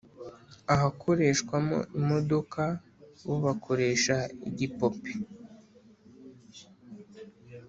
Ahakoreshwamo imodoka bo bakoresha igipupe